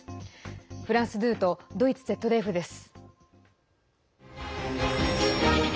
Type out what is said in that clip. フランス２とドイツＺＤＦです。